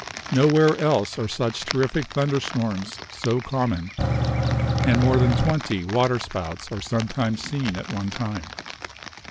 Nowhere else are such terrific thunder storms so common; and more than twenty water spouts are sometimes seen at one time.